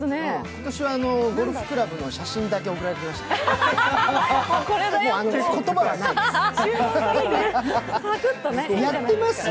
今年はゴルフクラブの写真だけ送られてきました。